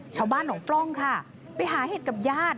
ชาวบ้านหนองปล้องค่ะไปหาเห็ดกับญาติ